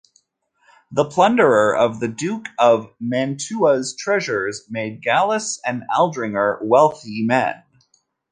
The plunder of the duke of Mantua's treasures made Gallas and Aldringer wealthy men.